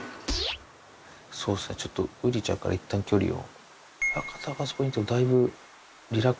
そうっすねちょっとウリちゃんからいったん距離を。